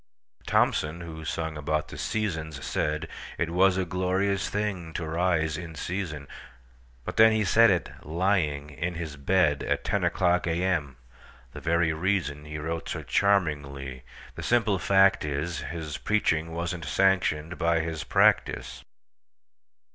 Thomson, who sung about the "Seasons," saidIt was a glorious thing to rise in season; But then he said it—lying—in his bed, At ten o'clock A.M.,—the very reasonHe wrote so charmingly. The simple fact is, His preaching was n't sanctioned by his practice.